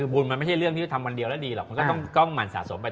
บุญมันไม่ใช่เรื่องกันวันเดียวแล้วดีหรอกก็ต้องหมั่นสะสมไป